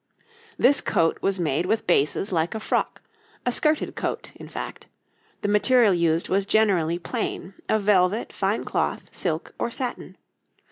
This coat was made with bases like a frock, a skirted coat, in fact; the material used was generally plain, of velvet, fine cloth, silk, or satin.